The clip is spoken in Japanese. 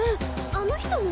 あの人も？